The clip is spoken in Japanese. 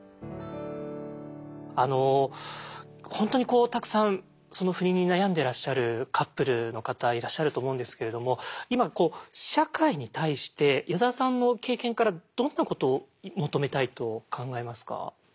あの本当にこうたくさん不妊に悩んでいらっしゃるカップルの方いらっしゃると思うんですけれども今社会に対して矢沢さんの経験からどんなことを求めたいと考えますか？